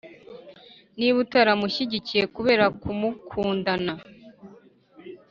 niba utaramushyigikiye kubera ku mukundana